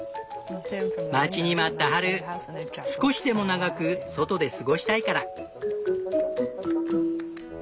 待ちに待った春少しでも長く外で過ごしたいから。